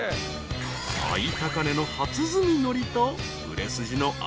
［最高値の初摘みのりと売れ筋の味